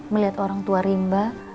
melihat orang tua rimba